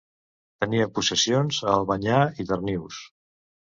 Tenia possessions a Albanyà i Darnius.